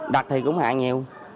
đặt thì cũng hàng nhiều